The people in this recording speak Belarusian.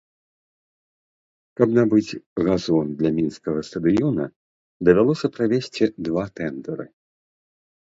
Каб набыць газон для мінскага стадыёна, давялося правесці два тэндары.